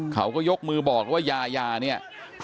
เขาก็ยกมือบอกแล้วว่ายายาเนี่ย